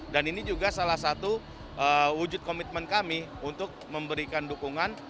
dan ini juga salah satu wujud komitmen kami untuk memberikan dukungan